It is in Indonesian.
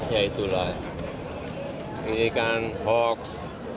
ya itulah ini kan hoax